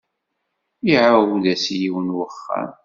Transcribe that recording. Iɛawed-as i yiwen n wexxam.